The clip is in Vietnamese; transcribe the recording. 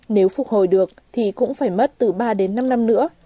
nếu phục hồi được thì cũng phải mất từ ba đến năm năm nữa